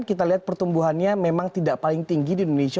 kita lihat pertumbuhannya memang tidak paling tinggi di indonesia